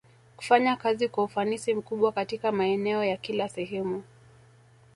Kufanya kazi kwa ufanisi mkubwa Katika maeneo ya kila Sehemu